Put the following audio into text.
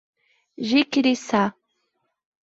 Jiquiriçá